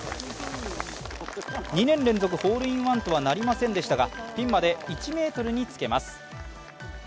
２年連続ホールインワンとはなりませんでしたがピンまで１ｍにつけます。